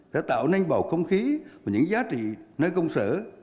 đã tạo nên bầu không khí và những giá trị nơi công sở